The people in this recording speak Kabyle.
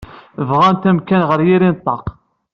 Bɣant amkan ɣer yiri n ṭṭaq.